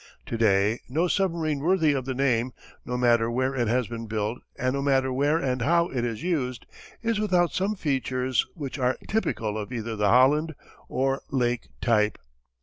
To day, no submarine worthy of the name, no matter where it has been built and no matter where and how it is used, is without some features which are typical of either the Holland or Lake type.